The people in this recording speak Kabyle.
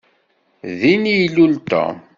Din i ilul Tom.